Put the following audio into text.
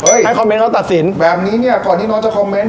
ให้คอมเมนต์เขาตัดสินแบบนี้เนี่ยก่อนที่น้องจะคอมเมนต์